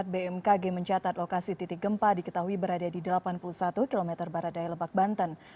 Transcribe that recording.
bmkg mencatat lokasi titik gempa diketahui berada di delapan puluh satu km barat daya lebak banten